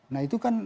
nah itu kan